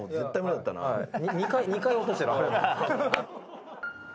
２回落としてる。